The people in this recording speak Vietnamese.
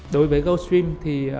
đối với goldstream thì